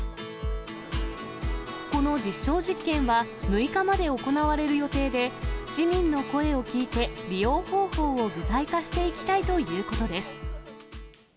この実証実験は６日まで行われる予定で、市民の声を聞いて、利用方法を具体化していきたいということです。